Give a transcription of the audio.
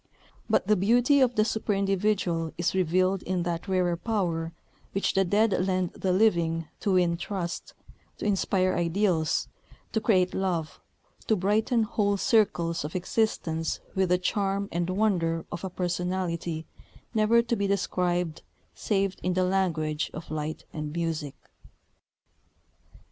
But the beauty of the superindividual is revealed in that rarer power which the dead lend the living to win trust, to inspire ideals, to create love, to brighten whole circles of existence with the charm and wonder of a personality never to be described save in the language of light and music.